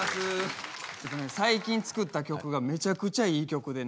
ちょっとね最近作った曲がめちゃくちゃいい曲でね。